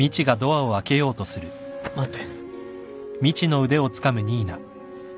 待って。